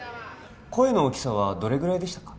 声の大きさはどれぐらいでしたか？